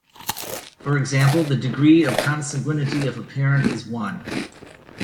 For example the degree of consanguinity of a parent is one.